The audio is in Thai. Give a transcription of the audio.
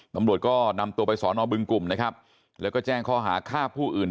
ตำรวจก็นำตัวไปสอนอบึงกลุ่มนะครับแล้วก็แจ้งข้อหาฆ่าผู้อื่น